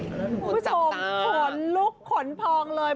คุณผู้ชมขนลุกขนพองเลย